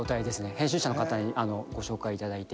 編集者の方にご紹介いただいて。